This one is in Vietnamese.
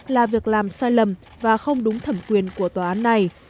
là việc làm sai lầm và không đúng thẩm quyền của tòa án này